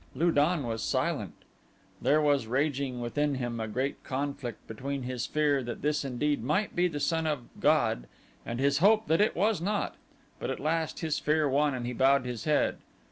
Lu don was silent. There was raging within him a great conflict between his fear that this indeed might be the son of god and his hope that it was not, but at last his fear won and he bowed his head.